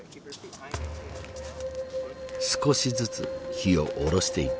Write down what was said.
少しずつ火を下ろしていく。